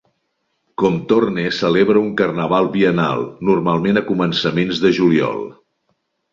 Crowthorne celebra un carnaval biennal, normalment a començaments de juliol.